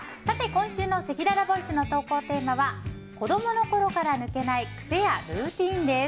今週のせきららボイスの投稿テーマは子供の頃から抜けない癖やルーティンです。